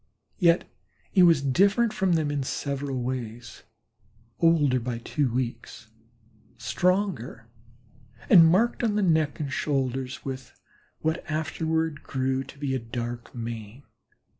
Yet he was different from them in several ways older by two weeks, stronger, and marked on the neck and shoulders with what afterward grew to be a dark mane.